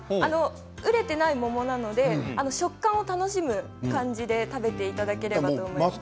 熟れていない桃なので食感を楽しむ感じで食べていただければと思います。